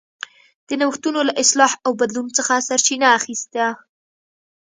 د نوښتونو له اصلاح او بدلون څخه سرچینه اخیسته.